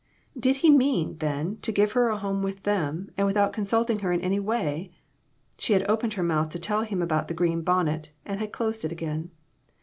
Did he mean, then, to give her a home with them, and without consulting her in any way? She had opened her mouth to tell him about the green bonnet, and had closed it again.